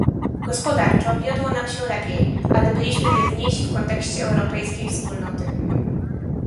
Gospodarczo wiodło nam się lepiej - ale byliśmy biedniejsi w kontekście europejskiej wspólnoty